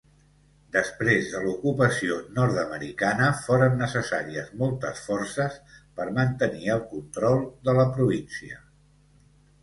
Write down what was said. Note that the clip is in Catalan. Després de l'ocupació nord-americana foren necessàries moltes forces per mantenir el control de la província.